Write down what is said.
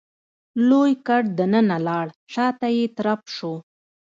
لوی ګټ دننه لاړ شاته يې ترپ شو.